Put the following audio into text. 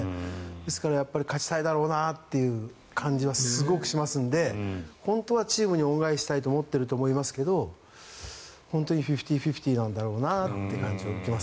ですから勝ちたいだろうなという感じはすごくしますので本当はチームに恩返ししたいと思っていると思いますけど本当にフィフティーフィフティーなんだろうなという感じを受けます。